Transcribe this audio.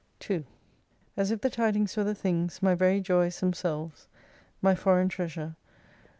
2 As if the tidings v/ere the things, My very joys themselves, my foreign treasure.